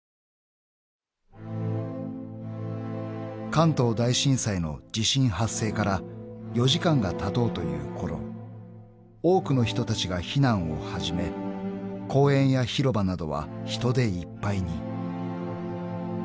［関東大震災の地震発生から４時間がたとうというころ多くの人たちが避難を始め公園や広場などは人でいっぱいに］